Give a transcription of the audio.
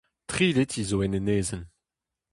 Tri leti zo en enezenn.